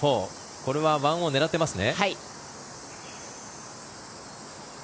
これは１オン狙ってますね？